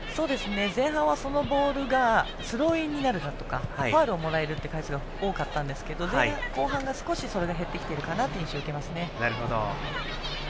前半はそのボールがスローインになるとかファウルをもらえる回数が多かったんですが後半は少しそれが減ってきている印象を受けますね。